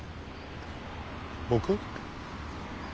僕？